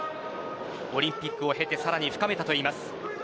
オリンピックを終えてさらに深めたといいます。